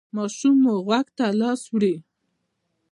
ماشوم مو غوږ ته لاس وړي؟